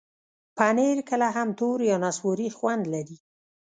پنېر کله هم تور یا نسواري خوند لري.